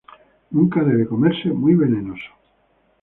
Nunca debe comerse, muy venenoso.